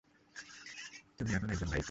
তুমি এখন একজন ভাইকিং।